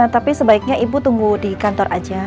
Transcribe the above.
tapi sebaiknya ibu tunggu di kantor aja